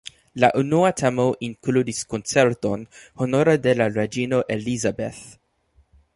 La unua temo inkludis koncerton honore de la reĝino "Elizabeth".